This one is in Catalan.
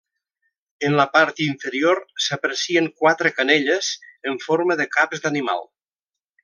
En la part inferior s'aprecien quatre canelles en forma de caps d'animal.